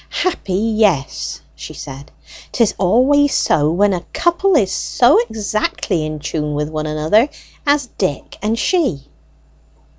"Happy, yes," she said. "'Tis always so when a couple is so exactly in tune with one another as Dick and she."